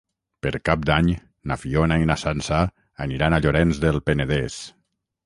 Per Cap d'Any na Fiona i na Sança aniran a Llorenç del Penedès.